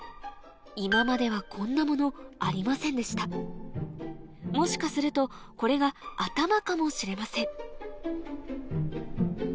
今まではこんなものありませんでしたもしかするとこれが頭かもしれません